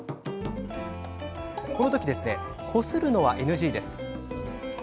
この時、こするのはＮＧです。